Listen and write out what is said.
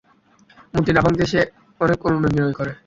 মূর্তি না ভাঙ্গতে সে অনেক অনুনয়-বিনয় করে।